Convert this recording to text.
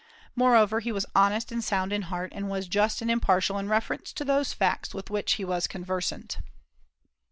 Moreover, he was honest and sound in heart, and was just and impartial in reference to those facts with which he was conversant.